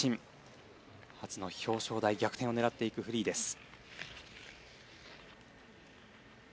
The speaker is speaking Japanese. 初の表彰台逆転を狙っていくフリーです。